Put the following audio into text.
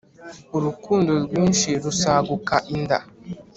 urukundo rwinshi rusaguka inda